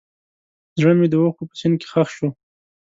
زړه مې د اوښکو په سیند کې ښخ شو.